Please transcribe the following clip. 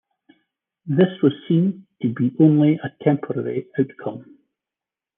This was seen to be only a temporary outcome.